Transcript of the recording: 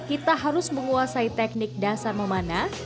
kita harus menguasai teknik dasar memanah